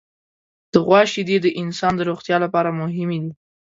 د غوا شیدې د انسان د روغتیا لپاره مهمې دي.